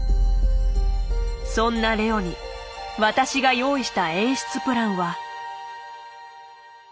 そんなＬｅｏに私が用意した演出プランは。